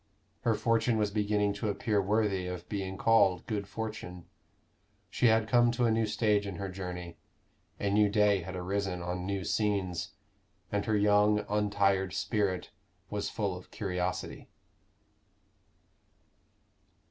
Her fortune was beginning to appear worthy of being called good fortune. She had come to a new stage in her journey; a new day had arisen on new scenes, and her young untired spirit was full of curiosity.